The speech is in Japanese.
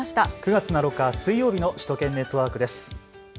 ９月７日、水曜日の首都圏ネットワークです。